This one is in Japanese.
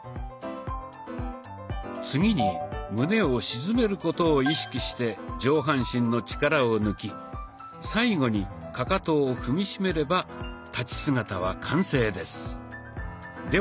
次に胸を沈めることを意識して上半身の力を抜き最後にかかとを踏みしめれば立ち姿は完成です。